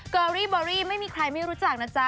อรี่บอรี่ไม่มีใครไม่รู้จักนะจ๊ะ